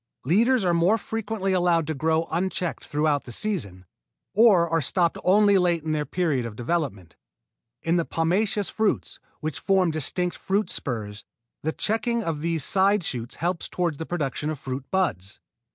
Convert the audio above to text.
Leaders are more frequently allowed to grow unchecked throughout the season, or are stopped only late in their period of development. In the pomaceous fruits, which form distinct fruit spurs, the checking of these side shoots helps toward the production of fruit buds.